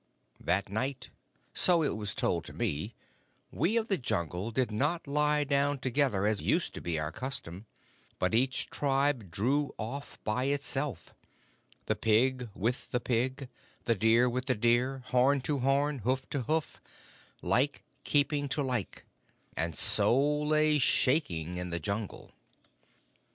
That night, so it was told to me, we of the Jungle did not lie down together as used to be our custom, but each tribe drew off by itself the pig with the pig, the deer with the deer; horn to horn, hoof to hoof, like keeping to like, and so lay shaking in the Jungle.